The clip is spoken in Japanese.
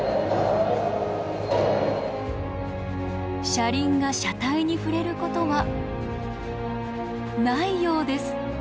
車輪が車体に触れることはないようです。